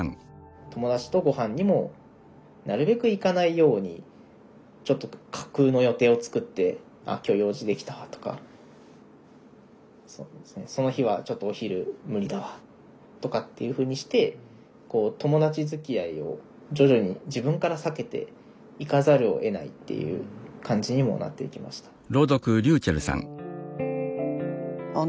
友達とごはんにもなるべく行かないようにちょっと架空の予定を作って「あっ今日用事できたわ」とか「その日はちょっとお昼無理だわ」とかっていうふうにして友達づきあいを徐々に自分から避けていかざるをえないっていう感じにもなっていきました。